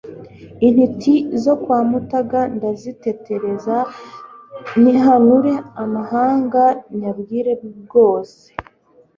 Intiti zo kwa Mutaga ndazitetereza Nihanure amahanga nyabwire bwose,